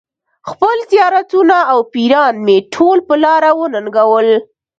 خپل زیارتونه او پیران مې ټول په لاره وننګول.